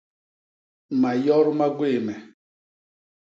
Mayot ma gwéé me.